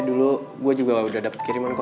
dulu gue juga udah dapat kiriman kok